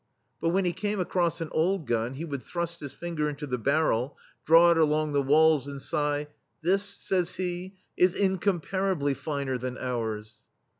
But when he came across an old gun, he would thrust his finger into the barrel, draw it along the walls, and sigh: "This, says he, "is incomparably finer than ours.